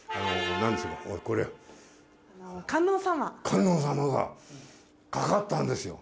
観音様がかかったんですよ。